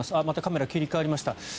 またカメラが切り替わりました。